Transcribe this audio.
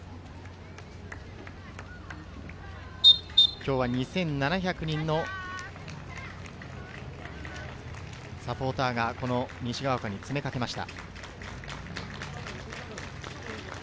今日は２７００人のサポーターが西が丘に詰めかけました。